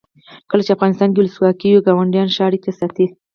کله چې افغانستان کې ولسواکي وي ګاونډیان ښه اړیکې ساتي.